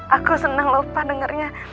aku seneng lupa dengernya